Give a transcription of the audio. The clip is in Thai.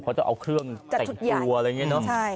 เขาจะเอาเครื่องแต่งตัวอะไรอย่างนี้เนอะ